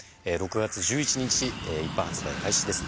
６月１１日一般発売開始です